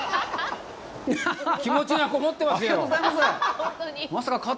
気持ちがこもってますよ。